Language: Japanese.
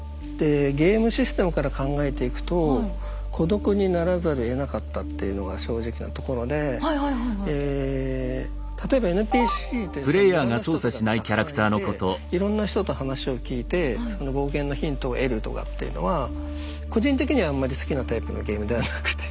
ゲームシステムから考えていくと孤独にならざるをえなかったっていうのが正直なところで例えばＮＰＣってその村の人とかがたくさんいていろんな人と話を聞いてその冒険のヒントを得るとかっていうのは個人的にはあんまり好きなタイプのゲームではなくて。